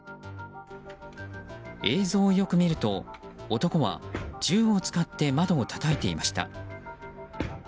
映像をよく見ると男は、銃を使って窓をたたいていました。